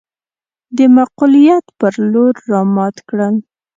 د معقوليت پر لور رامات کړل.